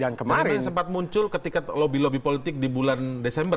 tapi memang sempat muncul ketika lobby lobby politik di bulan desember ya